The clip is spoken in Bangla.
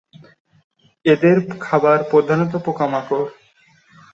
এদের খাবার প্রধানত পোকামাকড়।